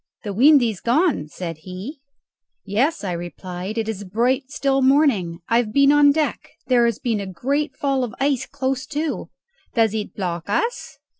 "The wind is gone," said he. "Yes," I replied, "it is a bright still morning. I have been on deck. There has been a great fall of ice close to." "Does it block us?"